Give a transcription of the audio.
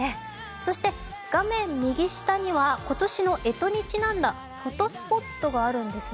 そして画面右下には今年のえとにちなんだフォトスポットがあるんですね。